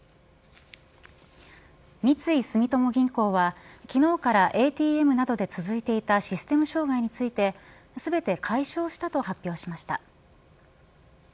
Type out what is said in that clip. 三井住友銀行は昨日からＡＴＭなどで続いていたシステム障害について全て解消したと発表しました。